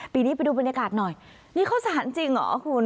ปีนี้ไปดูบรรยากาศหน่อยนี่ข้าวสารจริงเหรอคุณ